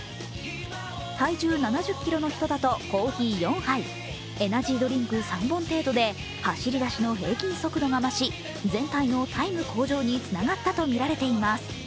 体重７０ｋｇの人だとコーヒー４杯、エナジードリンク３本程度で走り出しの平均速度が増し全体のタイム向上につながったとみられています。